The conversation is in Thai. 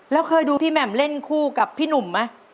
แล้วเคยดูพี่แหม่มเล่นคู่กับพี่หนุ่มไหม